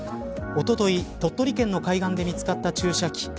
おととい、鳥取県の海岸で見つかった注射器